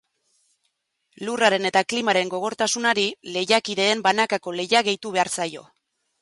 Lurraren eta klimaren gogortasunari, lehiakideen banakako lehia gehitu behar zaio.